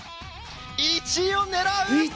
１位を狙う！